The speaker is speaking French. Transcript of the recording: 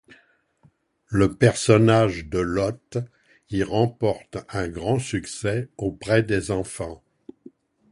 Le personnage de Lotte y remporte un grand succès auprès des enfants.